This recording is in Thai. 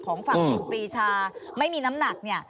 ของฝั่งตรีมีริชาไม่มีน้ำหนัก